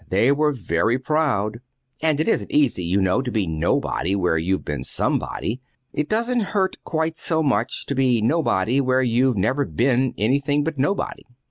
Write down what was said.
They were very proud; and it isn't easy, you know, to be nobody where you've been somebody. It doesn't hurt quite so hard to be nobody where you've never been anything but nobody."